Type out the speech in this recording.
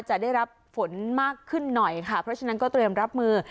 จะได้รับฝนมากขึ้นหน่อยค่ะเพราะฉะนั้นก็เตรียมรับมือ